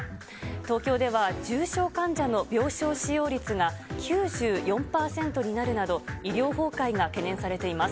東京では重症患者の病床使用率が９４％になるなど、医療崩壊が懸念されています。